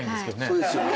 そうですよね